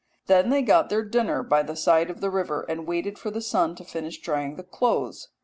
Then they got their dinner by the side of the river, and waited for the sun to finish drying the clothes.